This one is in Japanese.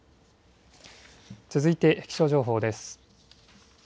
続いて気象情報です。